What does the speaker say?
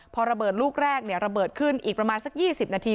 พอระเบิดลูกแรกระเบิดขึ้นอีกประมาณสัก๒๐นาที